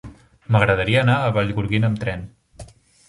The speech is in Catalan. M'agradaria anar a Vallgorguina amb tren.